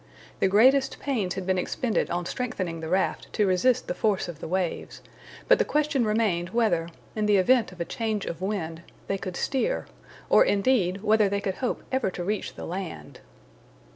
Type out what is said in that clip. The greatest pains had been expended on strengthening the raft to resist the force of the waves, but the question remained whether, in the event of a change of wind, they could steer, or indeed, whether they could hope ever to reach the land.